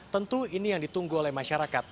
tentu ini yang ditunggu oleh masyarakat